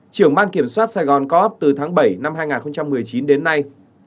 trưởng ban kiểm soát sài gòn co op từ tháng bảy năm hai nghìn một mươi chín đến nay